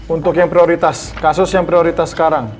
untuk yang prioritas kasus yang prioritas sekarang